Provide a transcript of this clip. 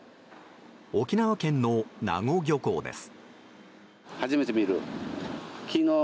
沖縄県の名護漁港です。